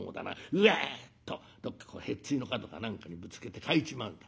うわっとどっかへっついの角か何かにぶつけて欠いちまうんだ。